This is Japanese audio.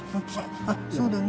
そうだよね。